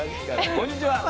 こんにちは。